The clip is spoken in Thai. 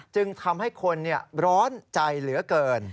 จึงทำให้คนร้อนใจเหลือเกิน